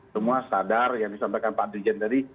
semua sadar yang disampaikan pak dirjen tadi